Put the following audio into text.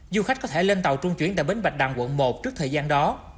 du khách có thể lên tàu trung chuyển tại bến bạch đằng quận một trước thời gian đó